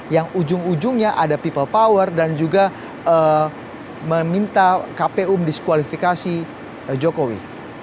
yang ujung ujungnya ada people power dan juga meminta kpu mendiskualifikasi jokowi